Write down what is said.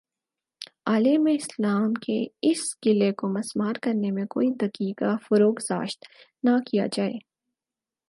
عالم اسلام کے اس قلعے کو مسمار کرنے میں کوئی دقیقہ فروگزاشت نہ کیا جائے